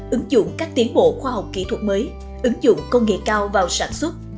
ứng dụng các tiến bộ khoa học kỹ thuật mới ứng dụng công nghệ cao vào sản xuất